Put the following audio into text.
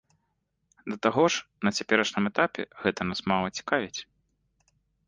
Да таго ж, на цяперашнім этапе гэта нас мала цікавіць.